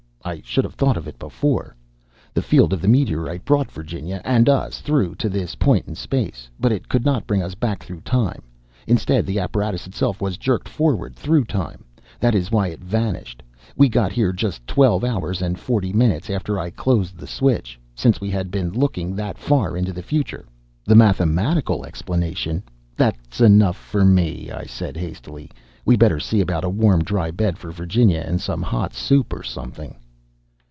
I should have thought of it before. The field of the meteorite brought Virginia and us through to this point in space. But it could not bring us back through time; instead, the apparatus itself was jerked forward through time. That is why it vanished. We got here just twelve hours and forty minutes after I closed the switch, since we had been looking that far into the future. The mathematical explanation " "That's enough for me!" I said hastily. "We better see about a warm, dry bed for Virginia, and some hot soup or something."